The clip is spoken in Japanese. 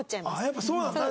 やっぱそうなんだ。